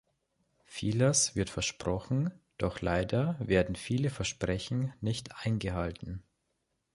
Vieles wird versprochen, doch leider werden viele Versprechen nicht eingehalten.